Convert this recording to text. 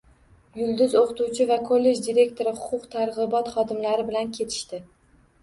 Yulduz, o`qituvchi va kollej direktori huquq-tartibot xodimlari bilan ketishdi